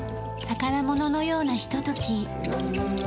宝物のようなひととき。